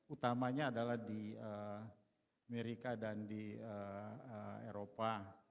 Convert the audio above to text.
utamanya adalah di amerika dan di eropa